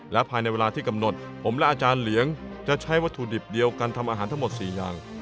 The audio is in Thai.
และภายในเวลาที่กำหนดผมและอาจารย์เหลียงจะใช้วัตถุดิบเดียวกันทำอาหารทั้งหมด๔อย่าง